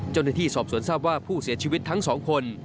จนที่ที่สอบสวนทราบว่าผู้เสียชีวิตทั้ง๒คน